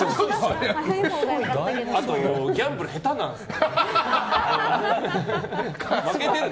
あと、ギャンブル下手なんですね。